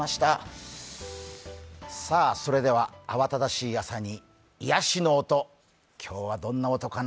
慌ただしい朝に癒しの音、今日はどんな音かな